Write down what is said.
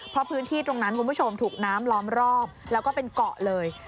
เพราะพื้นที่ตรงนั้นคุณผู้ชมถูกน้ำล้อมรอบแล้วก็เป็นเกาะเลย